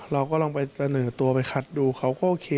เราก็ลองไปเสนอตัวไปคัดดูเขาก็โอเค